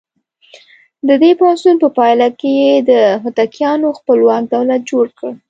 د دې پاڅون په پایله کې یې د هوتکیانو خپلواک دولت جوړ کړ.